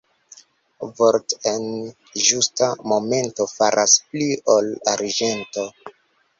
Vort' en ĝusta momento faras pli ol arĝento.